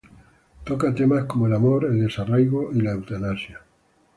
Toca temas como el amor, el desarraigo y la eutanasia.